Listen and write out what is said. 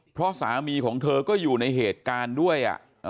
เพราะสามีของเธอก็อยู่ในเหตุการณ์ด้วย